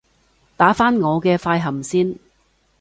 打返我嘅快含先